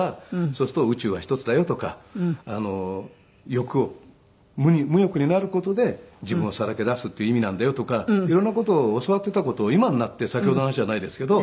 そうすると「宇宙は一つだよ」とか欲を「無欲になる事で自分をさらけ出すっていう意味なんだよ」とか色んな事を教わっていた事を今になって先ほどの話じゃないですけど。